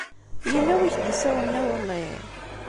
Yella win i ak-d-yessawlen iḍelli?